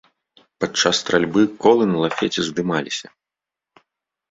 Падчас стральбы колы на лафеце здымаліся.